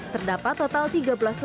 terdapat total tiga belas lagu yang berasal